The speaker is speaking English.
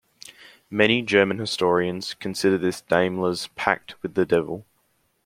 Many German historians consider this Daimler's "pact with the devil".